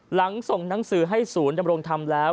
หลังส่งหนังสือให้ศูนย์ดำรงธรรมแล้ว